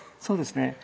そうですね。